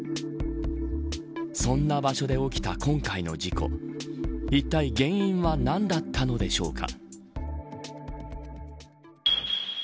そんな場所で起きた今回の事故いったい原因は何だったのでしょうか。